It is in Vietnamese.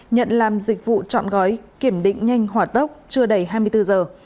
nhận làm dịch vụ chọn gói kiểm định nhanh hỏa tốc chưa đầy hai mươi bốn giờ